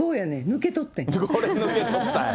これ、抜けとったんや。